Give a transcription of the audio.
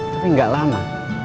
tapi gak lama